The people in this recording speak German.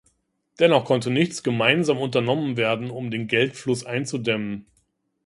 Dennoch konnte nichts gemeinsam unternommen werden, um den Geldfluss einzudämmen.